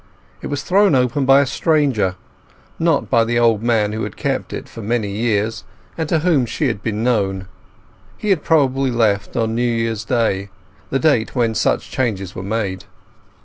It was thrown open by a stranger, not by the old man who had kept it for many years, and to whom she had been known; he had probably left on New Year's Day, the date when such changes were made.